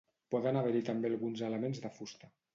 Poden haver-hi també alguns elements de fusta.